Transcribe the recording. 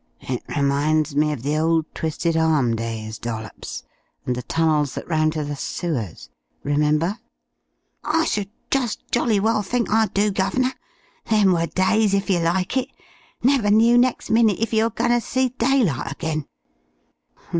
"It reminds me of the old 'Twisted Arm' days, Dollops, and the tunnels that ran to the sewers. Remember?" "I should just jolly well think I do, guv'nor! Them were days, if yer like it! Never knew next minute if yer were goin' ter see daylight again."